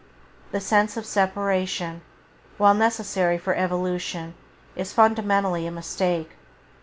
The sense of separation, while necessary for evolution, is fundamentally a mistake.